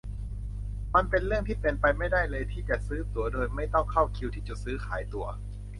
มันเป็นเรื่องที่เป็นไปไม่ได้เลยที่จะซื้อตั๋วโดยไม่ต้องเข้าคิวที่จุดซื้อขายตั๋ว